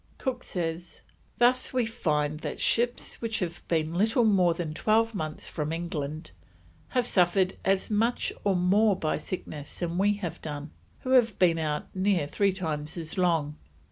Cook says: "Thus we find that ships which have been little more than twelve months from England have suffer'd as much or more by sickness than we have done, who have been out near three times as long.